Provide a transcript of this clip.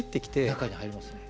中に入りますね。